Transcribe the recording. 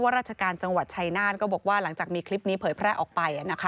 ราชการจังหวัดชัยนาธก็บอกว่าหลังจากมีคลิปนี้เผยแพร่ออกไป